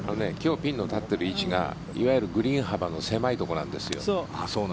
ピンの立っている位置がグリーン幅が狭いところなんですよ。